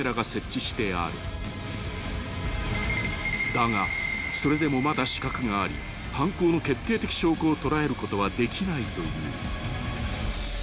［だがそれでもまだ死角があり犯行の決定的証拠を捉えることはできないという］